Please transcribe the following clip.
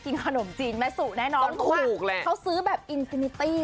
กินขนมจีนแม่สูตรแน่นอนเพราะว่าเขาซื้อแบบอินทินิตี้